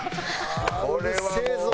ああうるせえぞ！